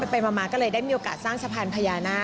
ไปมาก็เลยได้มีโอกาสสร้างสะพานพญานาค